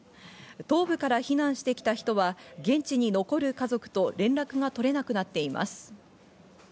東部から避難してきた人は現地に残る家族と連絡が取れなくなっています。